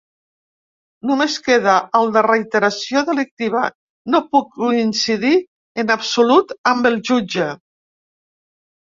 Només queda el de reiteració delictiva, no puc coincidir en absolut amb el jutge.